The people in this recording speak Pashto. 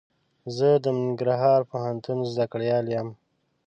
زه د ننګرهار پوهنتون زده کړيال يم.